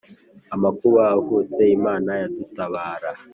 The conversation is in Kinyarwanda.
Amakuba avutse Imana yadutabara